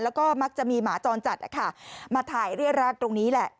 แล้วก็มักจะมีหมาจรจัดมาถ่ายเรียดรัดตรงนี้แหละ